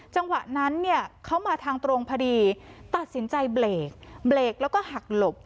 จังหวะนั้นเขามาทางตรงพอดีตัดสินใจเบลกแล้วก็หักหลบ